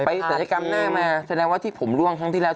ศัลยกรรมหน้ามาแสดงว่าที่ผมร่วงครั้งที่แล้ว